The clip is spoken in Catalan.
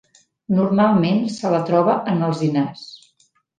Normalment se la troba en alzinars.